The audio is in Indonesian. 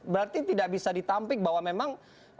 berarti tidak bisa ditampik bahwa memang